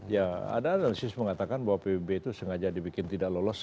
ya ada analisis mengatakan bahwa pbb itu sengaja dibikin tidak lolos